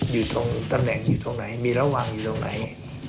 อยู่ตรงตำแหน่งอยู่ตรงไหนมีระหว่างอยู่ตรงไหน